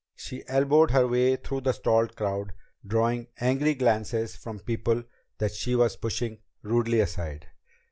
She elbowed her way through the stalled crowd, drawing angry glances from people that she was pushing rudely aside.